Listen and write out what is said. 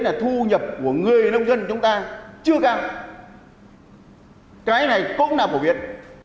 là thu nhập của người nông dân chúng ta chưa cao cái này cũng là phổ biến